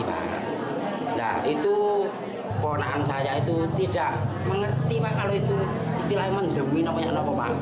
nah itu kebenaran saya itu tidak mengerti kalau itu istilah yang mendemikannya apa